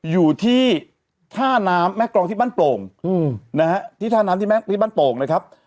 อยู่ที่ท่าน้ำแม่กรองที่บ้านโป่งนะฮะที่ท่าน้ำที่แม่ที่บ้านโป่งนะครับ